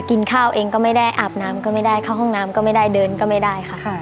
กินข้าวเองก็ไม่ได้อาบน้ำก็ไม่ได้เข้าห้องน้ำก็ไม่ได้เดินก็ไม่ได้ค่ะ